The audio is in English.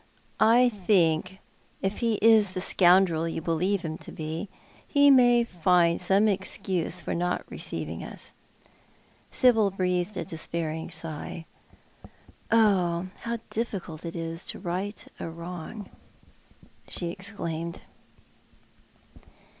"" I think — if he is the scoundrel you believe him to be — he may fiad some excuse for not receiving us." Sibyl breathed a despairing sigh. " Oh, how diflScult it is to right a wrong," she exclaimed.